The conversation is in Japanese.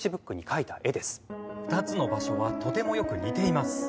「２つの場所はとてもよく似ています」